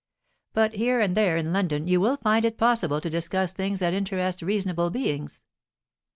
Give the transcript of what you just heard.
But here and there in London you will find it possible to discuss things that interest reasonable beings."